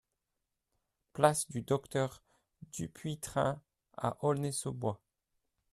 Place du Docteur Dupuytren à Aulnay-sous-Bois